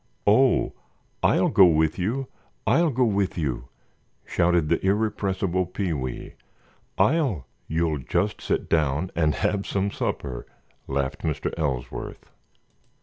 "Oh, I'll go with you! I'll go with you!" shouted the irrepressible Pee wee. "I'll——" "You'll just sit down and have some supper," laughed Mr. Ellsworth.